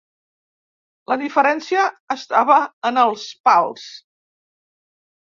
La diferència estava en els pals.